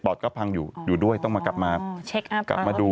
ปอดก็พังอยู่อยู่ด้วยต้องมากลับมาดู